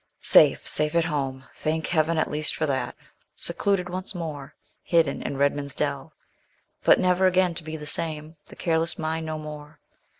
Safe, safe at home! Thank Heaven at least for that. Secluded once more hidden in Redman's Dell; but never again to be the same the careless mind no more.